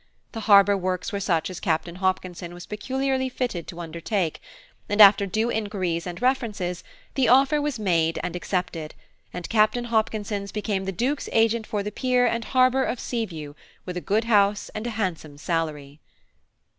The harbour works were such as Captain Hopkinson was peculiarly fitted to undertake, and after due inquiries and references, the offer was made and accepted, and Captain Hopkinson became the Duke's Agent for the Pier and Harbour of Seaview, with a good house and handsome salary.